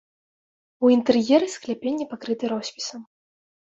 У інтэр'еры скляпенні пакрыты роспісам.